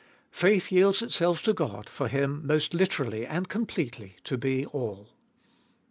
Faith yields itself to God for Him most literally and completely to be All. 4.